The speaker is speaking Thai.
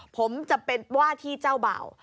ผมจะเป็นว่าที่เจ้าบ่าว